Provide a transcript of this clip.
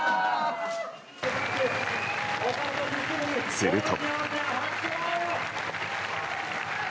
すると。